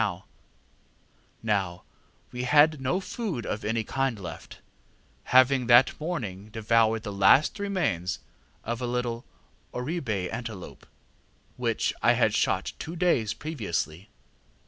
Now we had no food of any kind left, having that morning devoured the last remains of a little orib├® antelope, which I had shot two days previously.